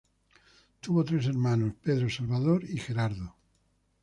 Tuvo tres Hermanos: Pedro, Salvador y Gerardo.